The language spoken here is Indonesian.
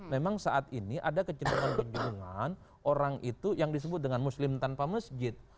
memang saat ini ada kecenderungan kecenderungan orang itu yang disebut dengan muslim tanpa masjid